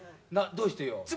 どうしてよ。